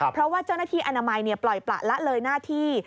เพราะว่าเจ้าหน้าที่อนามัยปล่อยประละเลยหน้าที่